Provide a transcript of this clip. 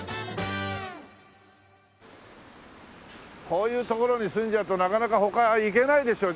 こういう所に住んじゃうとなかなか他行けないでしょ。